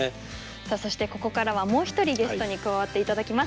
さあそしてここからはもう一人ゲストに加わって頂きます。